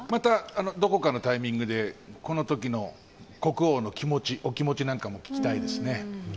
どこかのタイミングでこの時の国王のお気持ちなんかも聞きたいですね。